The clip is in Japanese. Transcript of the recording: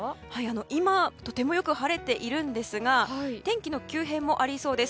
今とてもよく晴れているんですが天気の急変もありそうです。